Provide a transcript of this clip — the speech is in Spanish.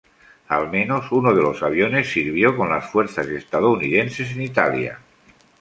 Al menos uno de los aviones sirvió con las fuerzas estadounidenses en Italia.